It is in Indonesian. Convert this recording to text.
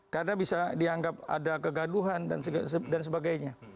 karena bisa dianggap ada kegaduhan dan sebagainya